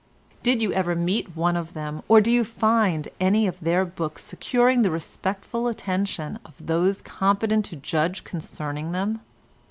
Did you ever meet one of them, or do you find any of their books securing the respectful attention of those competent to judge concerning them?